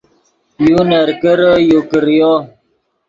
یو نرکرے یو کریو